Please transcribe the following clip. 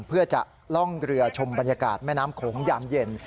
เพื่อจะล่องเรือชมบรรยากาศแม่น้ำโขงยามเย็น